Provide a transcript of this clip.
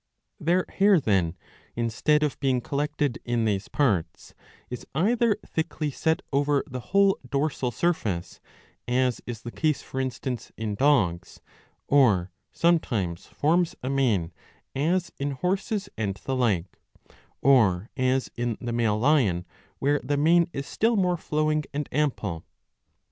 Their hair, then, instead of being collected in these parts, is either thickly set over the whole dorsal surface, as is the case for instance in dogs, or, sometimes, forms a mane, as in horses and the like, or as in the male lion, where the mane is still more flowing and ample.